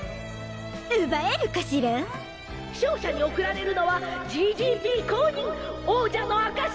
奪えるかしら勝者に贈られるのは王者の証し